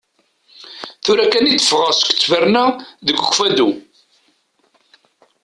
Tura akken d-fɣaɣ seg ttberna deg Ukfadu.